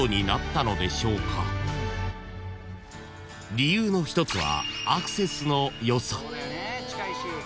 ［理由の一つは］